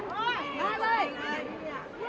ต้องใจร่วม